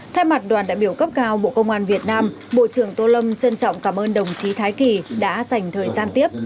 thay mặt đoàn đại biểu cấp cao bộ công an việt nam bộ trưởng tô lâm trân trọng cảm ơn đồng chí thái kỳ đã dành thời gian tiếp